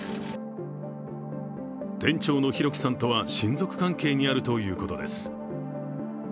店長の弘輝さんとは親族関係にあるということです。